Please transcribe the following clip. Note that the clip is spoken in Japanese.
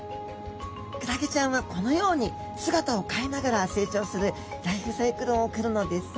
クラゲちゃんはこのように姿を変えながら成長するライフサイクルを送るのです。